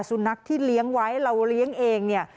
สุนัขที่เลี้ยงไว้เราเลี้ยงเองเนี่ย